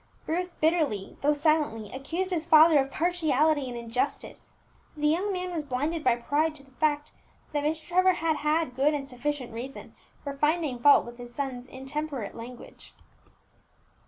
Bruce bitterly, though silently, accused his father of partiality and injustice; the young man was blinded by pride to the fact that Mr. Trevor had had good and sufficient reason for finding fault with his son's intemperate language.